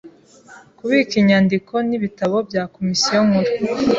kubika inyandiko n’ibitabo bya komisiyo nkuru